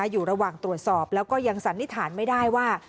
อยู่ระหว่างตรวจสอบแล้วก็ยังสันนิษฐานไม่ได้ว่า